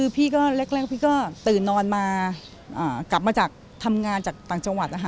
พี่ก็ตื่นนอนมากลับมาทำงานจากต่างจังหวัด